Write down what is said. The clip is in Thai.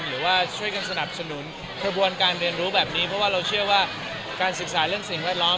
หรือว่าช่วยกันสนับสนุนกระบวนการเรียนรู้แบบนี้เพราะว่าเราเชื่อว่าการศึกษาเรื่องสิ่งแวดล้อม